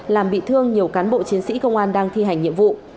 làm bị thương nhiều cán bộ chiến sĩ công an đang thi hành nhiệm vụ